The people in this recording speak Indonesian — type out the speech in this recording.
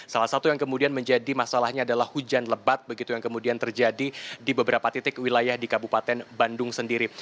salah satu yang kemudian menjadi masalahnya adalah hujan lebat begitu yang kemudian terjadi di beberapa titik wilayah di kabupaten bandung sendiri